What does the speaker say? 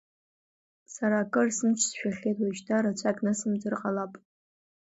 Сара акыр сымч сшәахьеит, уажәшьҭа рацәак нысымҵыр ҟалап.